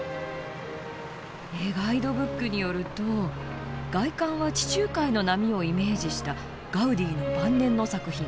ガイドブックによると「外観は地中海の波をイメージしたガウディの晩年の作品。